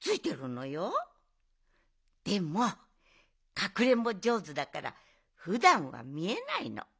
でもかくれんぼじょうずだからふだんはみえないの。